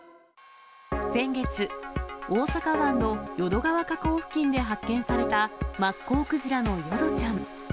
先月、大阪湾の淀川河口付近で発見された、マッコウクジラの淀ちゃん。